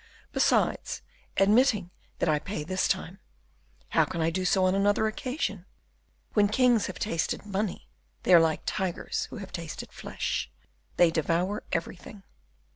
Besides, admitting that I pay this time, how can I do so on another occasion? When kings have tasted money, they are like tigers who have tasted flesh, they devour everything.